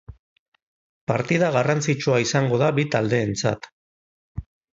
Partida garrantzitsua izango da bi taldeentzat.